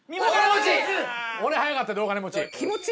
俺早かったで大金持ち。